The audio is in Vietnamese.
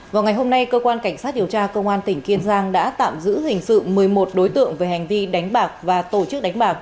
vào ngày hôm nay cơ quan cảnh sát điều tra công an tỉnh kiên giang đã tạm giữ hình sự một mươi một đối tượng về hành vi đánh bạc và tổ chức đánh bạc